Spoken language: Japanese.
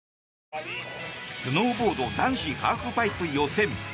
スノーボード男子ハーフパイプ予選。